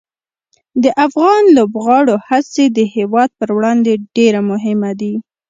د افغان لوبغاړو هڅې د هېواد پر وړاندې ډېره مهمه دي.